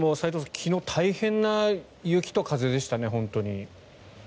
昨日、大変な雪と風でしたね。